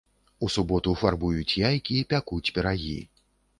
У суботу фарбуюць яйкі, пякуць пірагі.